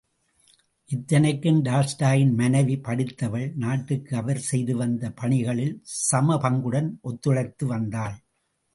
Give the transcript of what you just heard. இத்தனைக்கும் டால்ஸ்டாயின் மனைவி படித்தவள் நாட்டுக்கு அவர் செய்து வந்த பணிகளில் சமபங்குடன் ஒத்துழைத்து வந்தாள்.